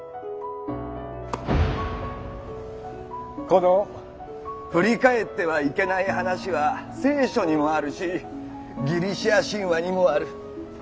この「振り返ってはいけない」話は聖書にもあるしギリシア神話にもある。